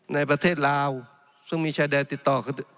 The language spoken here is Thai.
ในประเทศลาวซึ่งมีชายแดนติดต่อ